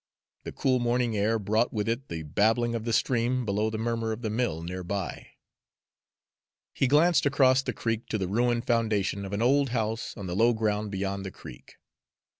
The cool morning air brought with it the babbling of the stream below and the murmur of the mill near by. He glanced across the creek to the ruined foundation of an old house on the low ground beyond the creek.